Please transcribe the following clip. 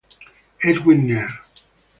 Edwin Neal